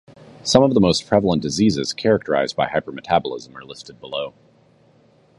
Some of the most prevalent diseases characterized by hypermetabolism are listed below.